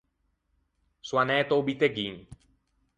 Son anæto a-o buteghin.